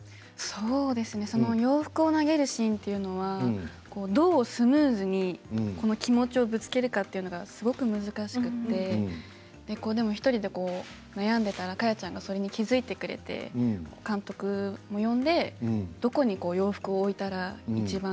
洋服を投げるシーンというのはどうスムーズにこの気持ちをぶつけるかというのがすごく難しくて１人で悩んでいたら果耶ちゃんがそれに気付いてくれて監督も呼んでどこに洋服を置いたらいちばん